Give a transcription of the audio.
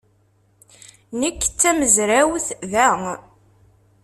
Nekk d tamezrawt da.